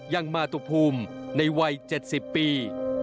ยังมาตุภูมิในวัย๗๐ปี